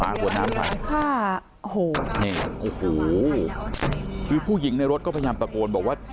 ขวดน้ำใส่ค่ะโอ้โหนี่โอ้โหคือผู้หญิงในรถก็พยายามตะโกนบอกว่า